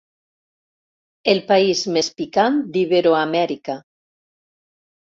El país més picant d'Iberoamèrica.